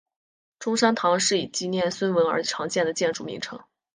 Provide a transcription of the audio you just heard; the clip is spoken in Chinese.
中山堂是用以纪念孙文而常见的建筑名称。